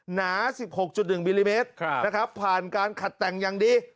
หนาสิบหกจุดหนึ่งมิลลิเมตรครับนะครับผ่านการขัดแต่งอย่างดี